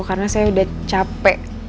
karena saya udah capek